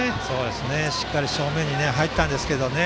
しっかり正面に入ったんですけどね。